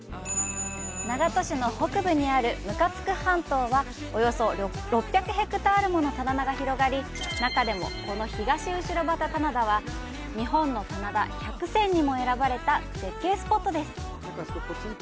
長門市の北部にある「向津具半島」は約６００ヘクタールもの棚田が広がり、中でも、この東後畑棚田は「日本の棚田百選」にも選ばれた絶景スポットです！